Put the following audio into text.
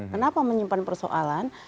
kenapa menyimpan persoalan